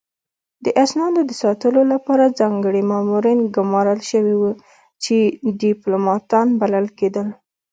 د اسنادو د ساتلو لپاره ځانګړي مامورین ګمارل شوي وو چې ډیپلوماتان بلل کېدل